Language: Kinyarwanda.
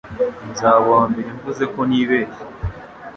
Nzaba uwambere mvuze ko nibeshye